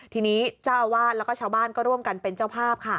ทีนี้เจ้าอาวาสแล้วก็ชาวบ้านก็ร่วมกันเป็นเจ้าภาพค่ะ